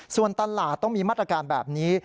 ส่วนตลาดต้องมีมาตรการแบบนี้